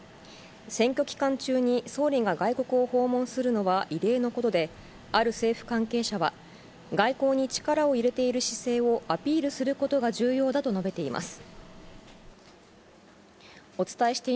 選挙期間中に総理が外国を訪問するのは異例のことで、ある政府関係者は、外交に力を入れている姿勢をアピールすることが重要だと述べています。